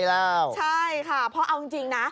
แล้วไม่ไหวแล้วใช่ค่ะพอเอาจริงนะ